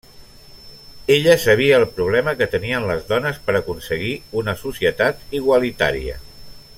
Ella sabia el problema que tenien les dones per aconseguir una societat igualitària.